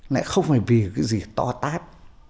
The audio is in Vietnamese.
lẽ không phải vì cái gì to tát